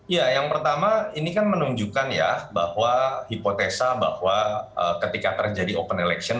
ya yang pertama ini kan menunjukkan ya bahwa hipotesa bahwa ketika terjadi open election